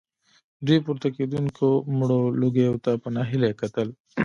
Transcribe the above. دوی پورته کېدونکو مړو لوګيو ته په ناهيلۍ کتل.